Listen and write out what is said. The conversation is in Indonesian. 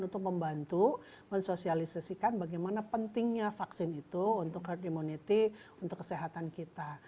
untuk membantu mensosialisasikan bagaimana pentingnya vaksin itu untuk herd immunity untuk kesehatan kita